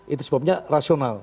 itu sebabnya rasional